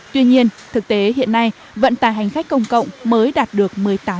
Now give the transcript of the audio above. tuy nhiên thực tế hiện nay vận tài hành khách công cộng mới đạt được một mươi tám